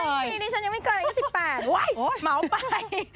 นี่นี่นี่ฉันยังไม่เกิดอายุ๑๘ว้ายเหมาะไป